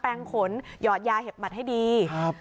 แปรงขนหยอดยาเห็บมัดให้ดี